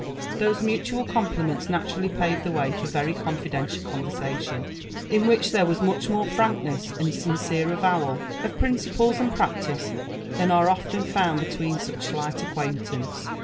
Thi»se mutual eomplimeats naturally pated the way^ for tery cbhfi dential conYersation» in whieh <here was tnu^h bore frabkne^s iiiA aiiUiere atowal of principle aud practice than are oft^U found betweeU •ueh slight acquaintance.